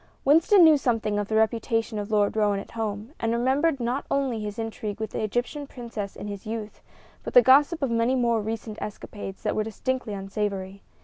Winston knew something of the reputation of Lord Roane at home, and remembered not only his intrigue with the Egyptian princess in his youth, but the gossip of many more recent escapades that were distinctly unsavory.